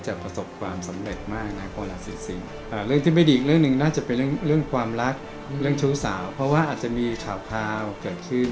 จะประสบความสำเร็จมาก